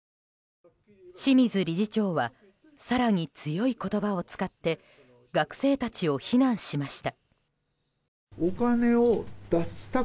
清水理事長は更に強い言葉を使って学生たちを非難しました。